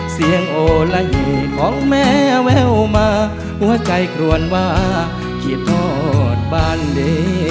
เสียงโอละหิของแม่แววมาหัวใจกลวนวาเขียบทอดบานเล่